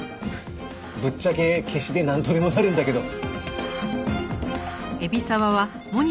ぶっちゃけ消しでなんとでもなるんだけど。